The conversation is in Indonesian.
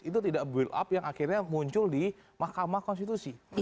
itu tidak build up yang akhirnya muncul di mahkamah konstitusi